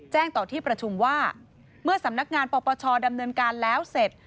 ต่อที่ประชุมว่าเมื่อสำนักงานปปชดำเนินการแล้วเสร็จ